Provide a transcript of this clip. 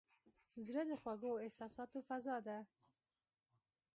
زړه د خوږو احساساتو فضا ده.